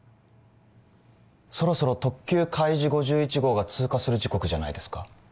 そろそろ特急かいじ５１号が通過する時刻じゃないですか？